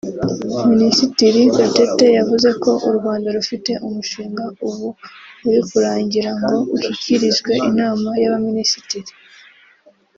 Minisitiri Gatete yavuze ko u Rwanda rufite umushinga ubu uri kurangira ngo ushyikirizwe inama y’abaminisitiri